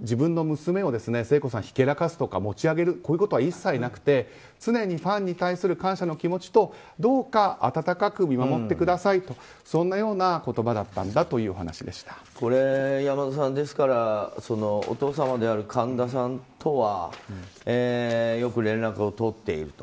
自分の娘を聖子さん、ひけらかすとか持ち上げるこういうことは一切なくて常にファンに対する感謝の気持ちとどうか温かく見守ってくださいとそんなような言葉だったんだ山田さん、ですからお父様である神田さんとはよく連絡を取っていると。